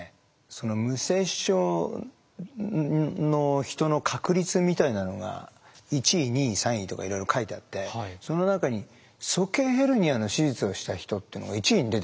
その無精子症の人の確率みたいなのが１位２位３位とかいろいろ書いてあってその中に鼠径ヘルニアの手術をした人っていうのが１位に出てきたんですよ。